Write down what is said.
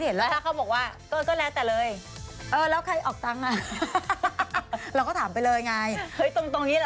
เฮ้ยตรงนี่เหรอ